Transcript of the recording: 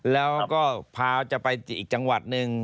แล้วก็พาจะไปอีกจังหวัดหนึ่ง